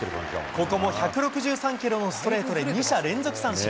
ここも１６３キロのストレートで２者連続三振。